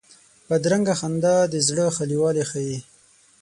بدرنګه خندا د زړه خالي والی ښيي